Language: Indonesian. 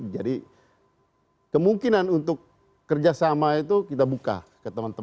jadi kemungkinan untuk kerjasama itu kita buka ke teman teman yang lain